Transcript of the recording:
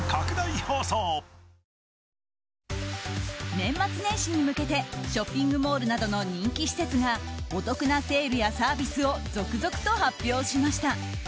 年末年始に向けてショッピングモールなどの人気施設がお得なセールやサービスを続々と発表しました。